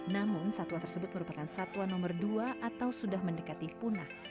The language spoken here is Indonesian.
namun satwa tersebut merupakan satwa nomor dua atau sudah mendekati punah